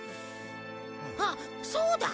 あっそうだ！